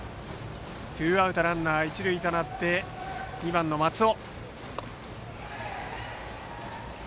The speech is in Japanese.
ツーアウトランナー、一塁となりバッターは２番の松尾。